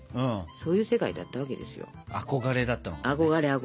そういう世界だったわけですよ。